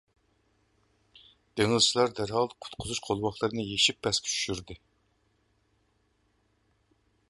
دېڭىزچىلار دەرھال قۇتقۇزۇش قولۋاقلىرىنى يېشىپ پەسكە چۈشۈردى،